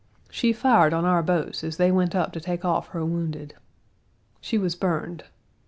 She fired on our boats as they went up to take off her wounded. She was burned.